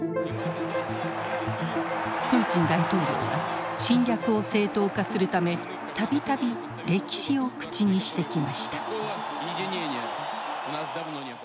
プーチン大統領は侵略を正当化するため度々「歴史」を口にしてきました。